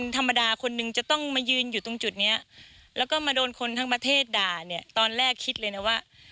ตอนแรกคิดเลยนะว่า